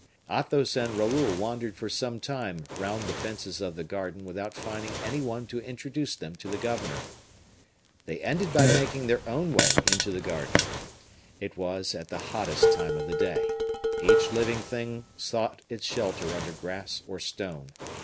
Athos and Raoul wandered for some time round the fences of the garden without finding any one to introduce them to the governor. They ended by making their own way into the garden. It was at the hottest time of the day. Each living thing sought its shelter under grass or stone.